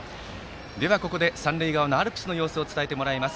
ではここで三塁側のアルプスの様子を伝えてもらいます。